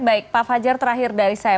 baik pak fajar terakhir dari saya